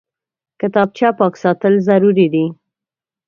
کتابچه پاک ساتل ضروري دي